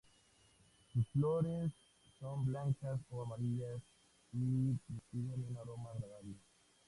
Sus flores son blancas o amarillas y despiden un aroma agradable.